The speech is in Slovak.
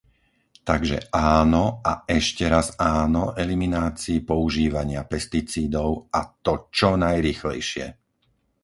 Takže áno a ešte raz áno eliminácii používania pesticídov, a to čo najrýchlejšie.